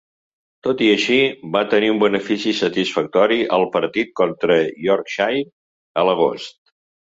Tot i així, va tenir un benefici satisfactori al partit contra Yorkshire a l'agost.